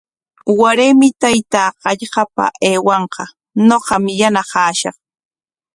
Waraymi taytaa hallqapa aywanqa, ñuqam yanaqashaq.